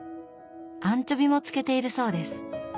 アンチョビも漬けているそうです。